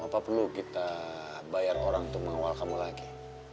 apa perlu kita bayar orang untuk mengawal kamu lagi